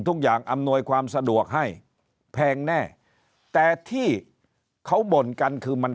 อำนวยความสะดวกให้แพงแน่แต่ที่เขาบ่นกันคือมัน